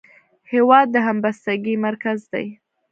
هېواد د همبستګۍ مرکز دی.